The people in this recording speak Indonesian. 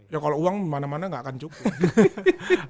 ya kalau uang mana mana nggak akan cukup